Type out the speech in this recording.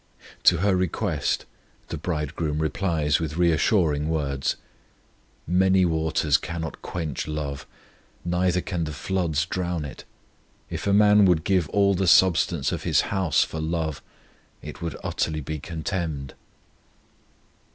To her request the Bridegroom replies with reassuring words: Many waters cannot quench love, Neither can the floods drown it: If a man would give all the substance of his house for love, It would utterly be contemned.